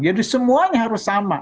jadi semuanya harus sama